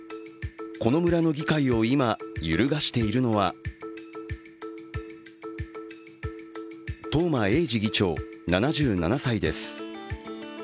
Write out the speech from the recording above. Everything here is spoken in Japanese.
この村の議会を今、揺るがしているのは東間永次議長７７歳です。